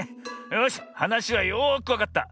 よしはなしはよくわかった。